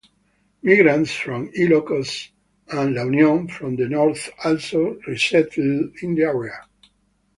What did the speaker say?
Migrants from Ilocos and La Union from the north also resettled in the area.